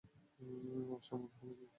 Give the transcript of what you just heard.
সম্ভব হবে কি?